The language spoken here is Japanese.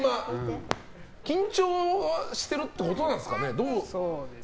緊張してるってことなんですかね？